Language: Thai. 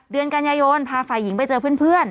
เดือนกันยายนพาฝ่ายหญิงไปเจอเพื่อน